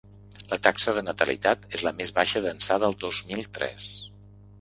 La taxa de natalitat és la més baixa d’ençà del dos mil tres.